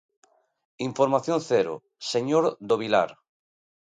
Información cero, señor do Vilar.